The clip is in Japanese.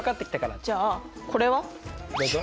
じゃあこれは？よし！